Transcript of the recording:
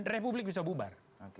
republik bisa bubar